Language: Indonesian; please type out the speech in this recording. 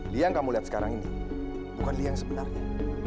lia yang kamu lihat sekarang ini bukan lia yang sebenarnya